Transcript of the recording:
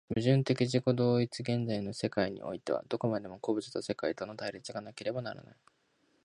矛盾的自己同一的現在の世界においては、どこまでも個物と世界との対立がなければならない。